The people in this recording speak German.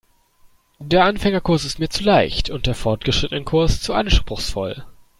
Der Anfängerkurs ist mir zu leicht und der Fortgeschrittenenkurs zu anspruchsvoll.